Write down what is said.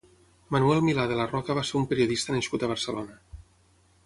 Manuel Milá de la Roca va ser un periodista nascut a Barcelona.